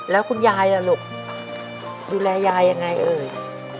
แล้วคุณยายล่ะลูกดูแลยายยังไงเอ่ย